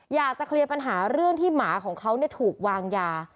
อยากจะเคลียร์ปัญหาเรื่องที่หมาของเขาถูกวางยา